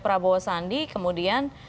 prabowo sandi kemudian